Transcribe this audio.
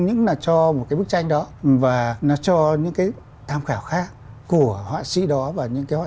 những là cho một cái bức tranh đó và nó cho những cái tham khảo khác của họa sĩ đó và những cái